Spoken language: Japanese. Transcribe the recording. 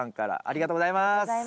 ありがとうございます。